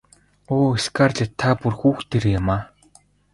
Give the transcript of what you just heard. Өө Скарлетт та бүр хүүхдээрээ юм.